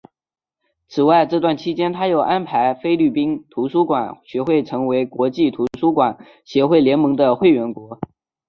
此外这段期间他又安排菲律宾图书馆学会成为国际图书馆协会联盟的会员国。